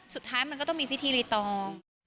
สุดท้ายมันก็ต้องมีพิธีรีตอง